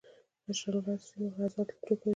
د اشنغر سيمه غزل ټوکوي